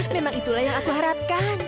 memang itulah yang aku harapkan